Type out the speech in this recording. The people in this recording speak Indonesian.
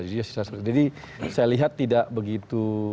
jadi saya lihat tidak begitu